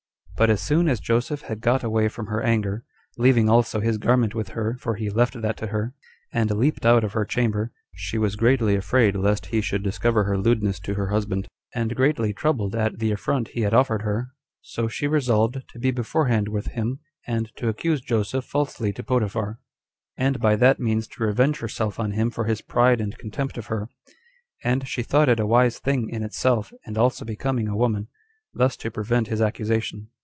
But as soon as Joseph had got away from her anger, leaving also his garment with her, for he left that to her, and leaped out of her chamber, she was greatly afraid lest he should discover her lewdness to her husband, and greatly troubled at the affront he had offered her; so she resolved to be beforehand with him, and to accuse Joseph falsely to Potiphar, and by that means to revenge herself on him for his pride and contempt of her; and she thought it a wise thing in itself, and also becoming a woman, thus to prevent his accusation.